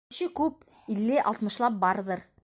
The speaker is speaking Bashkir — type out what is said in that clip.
Кеше күп, илле-алтмышлап барҙыр.